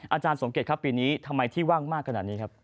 อาจารย์สมเกตครับปีนี้ทำไมที่ว่างมากขนาดนี้ครับ